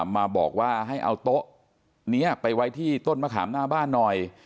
มาบอกว่าให้เอาโต๊ะนี้ไปไว้ที่ต้นมะขามหน้าบ้านหน่อย